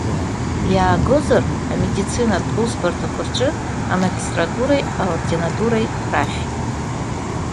Иаагозар, амедицинатә усбарҭақәа рҿы амагистратуреи аординатуреи рахь.